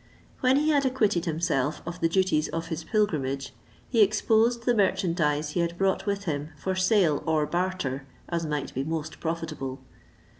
When he had acquitted himself of the duties of his pilgrimage, he exposed the merchandize he had brought with him for sale or barter, as might be most profitable.